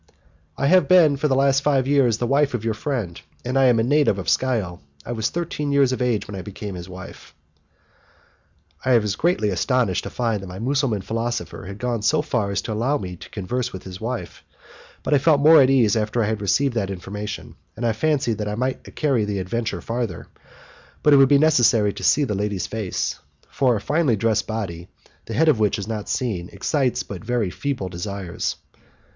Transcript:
"I have been for the last five years the wife of your friend, and I am a native of Scio. I was thirteen years of age when I became his wife." I was greatly astonished to find that my Mussulman philosopher had gone so far as to allow me to converse with his wife, but I felt more at ease after I had received that information, and fancied that I might carry the adventure further, but it would be necessary to see the lady's face, for a finely dressed body, the head of which is not seen, excites but feeble desires.